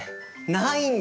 ないんだ！？